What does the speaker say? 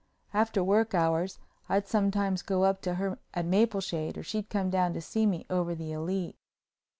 After work hours I'd sometimes go up to her at Mapleshade or she'd come down to me over the Elite.